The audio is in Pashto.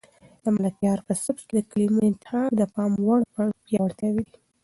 د ملکیار په سبک کې د کلمو انتخاب د پام وړ پیاوړی دی.